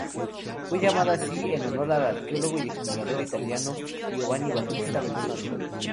Fue llamada así en honor al arqueólogo y explorador italiano Giovanni Battista Belzoni.